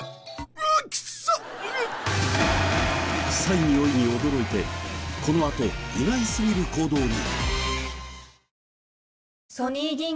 臭いにおいに驚いてこのあと意外すぎる行動に。